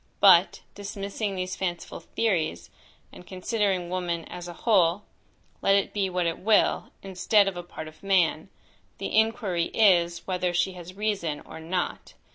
But, dismissing these fanciful theories, and considering woman as a whole, let it be what it will, instead of a part of man, the inquiry is, whether she has reason or not.